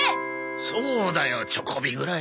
そうだよチョコビぐらい。